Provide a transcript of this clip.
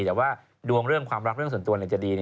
แต่ว่าดวงเรื่องความรักเรื่องส่วนตัวจะดี